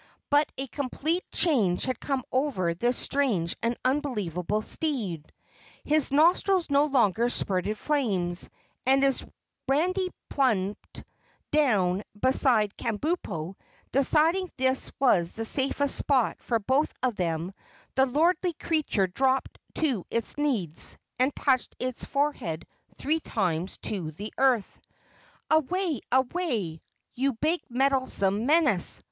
But a complete change had come over this strange and unbelievable steed; his nostrils no longer spurted flames and as Randy plumped down beside Kabumpo, deciding this was the safest spot for both of them, the lordly creature dropped to its knees and touched its forehead three times to the earth. "Away, away! You big meddlesome menace!"